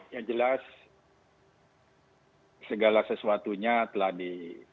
yang jelas segala sesuatunya telah di